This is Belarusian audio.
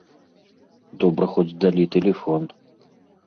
Добра хоць далі тэлефон.